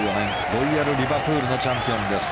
ロイヤルリバプールのチャンピオンです。